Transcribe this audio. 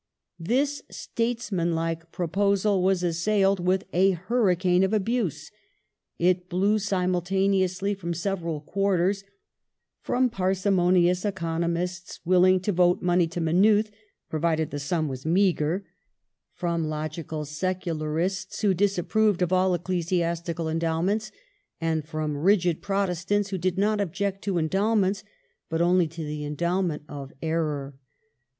This statesmanlike proposal was assailed with a huri'icane of abuse. It blew simultaneously from several quarters : from parsimonious economists willing to vote money to Maynooth, pro vided the sum was meagre ; from logical secularists who disapproved of all ecclesiastical endowments, and from rigid Protestants who did not object to " endowments" but only to the " endowment of en*or